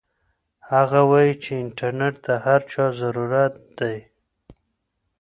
هغه وایي چې انټرنيټ د هر چا ضرورت دی.